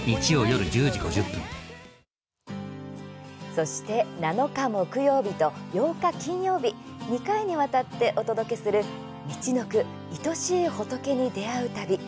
そして７日、木曜日と８日、金曜日、２回にわたってお届けする「みちのくいとしいホトケに出会う旅」